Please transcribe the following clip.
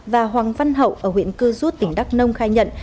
và hoàng văn hậu ở huyện đắk lắc